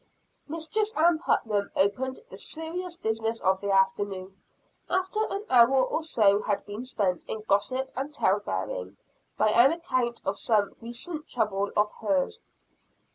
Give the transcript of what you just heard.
Mistress Ann Putnam opened the serious business of the afternoon, after an hour or so had been spent in gossip and tale bearing, by an account of some recent troubles of hers.